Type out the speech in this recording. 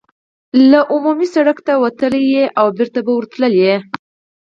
له عمومي سړک ته وتلای او بېرته به ورتللای.